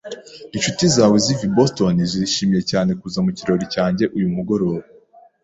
Inshuti zawe ziva i Boston zishimiye cyane kuza mu kirori cyanjye uyu mugoroba.